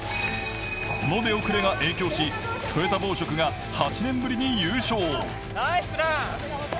この出遅れが影響し、トヨタ紡織が８年ぶりに優勝。